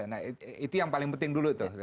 nah itu yang paling penting dulu tuh